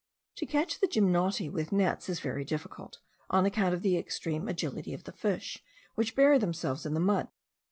To catch the gymnoti with nets is very difficult, on account of the extreme agility of the fish, which bury themselves in the mud.